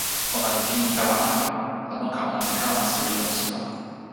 ona li pini tawa anpa, la noka ona li kalama suli lon supa.